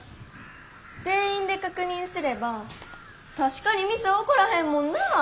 全員で確認すれば確かにミス起こらへんもんなあ。